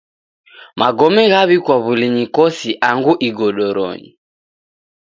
Magome ghaw'ikwa w'ulinyi kosi angu ogodoronyi.